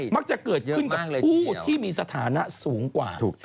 มักจะเกิดขึ้นกับผู้ที่มีสถานะสูงกว่า